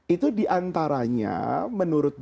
itu diantaranya menurut